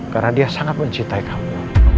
karena dia sangat mencintai kamu